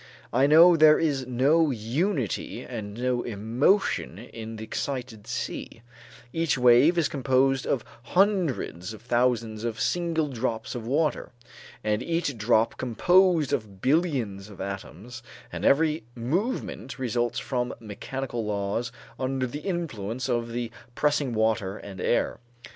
I know there is no unity and no emotion in the excited sea; each wave is composed of hundreds of thousands of single drops of water, and each drop composed of billions of atoms, and every movement results from mechanical laws under the influence of the pressing water and air.